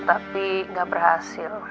tapi gak berhasil